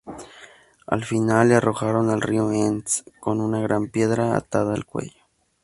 Al final, le arrojaron al río Enns con una gran piedra atada al cuello.